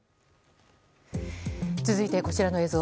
続いて、こちらの映像。